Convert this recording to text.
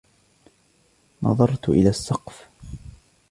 نظرت إلى السّقف.